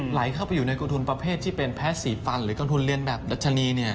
ไหลเข้าไปอยู่ในกองทุนประเภทที่เป็นแพ้สีฟันหรือกองทุนเรียนแบบดัชนี